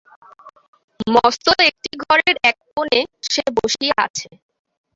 মস্ত একটি ঘরের এককোণে সে বসিয়া আছে।